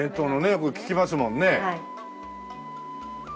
よく聞きますもんね。